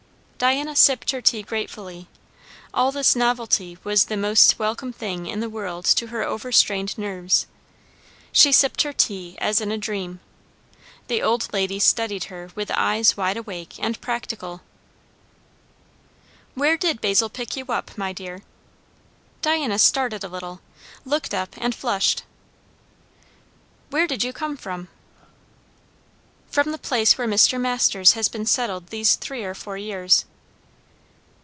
Diana sipped her tea gratefully; all this novelty was the most welcome thing in the world to her overstrained nerves. She sipped her tea as in a dream; the old lady studied her with eyes wide awake and practical. "Where did Basil pick you up, my dear?" Diana started a little, looked up, and flushed. "Where did you come from?" "From the place where Mr. Masters has been settled these three or four years."